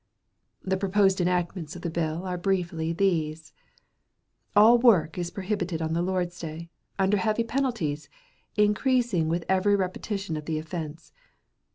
The proposed enactments of the bill are briefly these:—All work is prohibited on the Lord's day, under heavy penalties, increasing with every repetition of the offence.